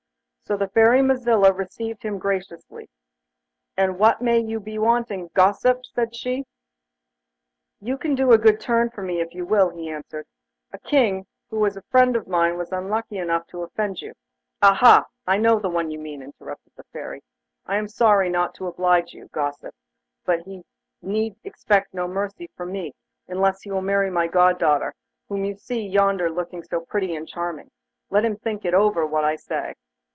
So the Fairy Mazilla received him graciously. 'And what may you be wanting, Gossip?' said she. 'You can do a good turn for me if you will;' he answered. 'A King, who is a friend of mine, was unlucky enough to offend you ' 'Aha! I know who you mean,' interrupted the Fairy. 'I am sorry not to oblige you, Gossip, but he need expect no mercy from me unless he will marry my goddaughter, whom you see yonder looking so pretty and charming. Let him think over what I say.